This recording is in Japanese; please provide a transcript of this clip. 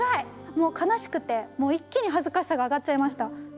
もう悲しくてもう一気に恥ずかしさが上がっちゃいました。